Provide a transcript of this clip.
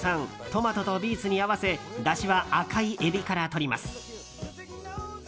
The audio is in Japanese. トマトとビーツに合わせだしは赤いエビからとります。